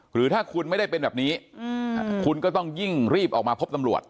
หรือถ้าคุณไม่ได้เป็นแบบนี้คุณก็ต้องยิ่งรีบออกมาพบตำรวจ